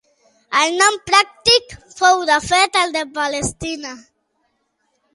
El nom pràctic fou de fet el de Palestina.